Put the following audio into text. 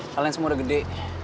kalian semua udah gede